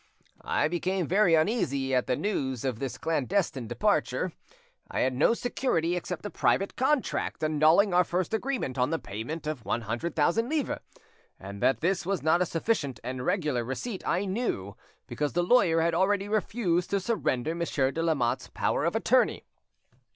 I became very uneasy at the news of this clandestine departure. I had no security except a private contract annulling our first agreement on the payment of one hundred thousand livres, and that this was not a sufficient and regular receipt I knew, because the lawyer had already refused to surrender Monsieur de Lamotte's power of attorney.